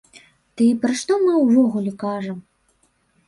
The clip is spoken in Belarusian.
Ды і пра што мы ўвогуле кажам?!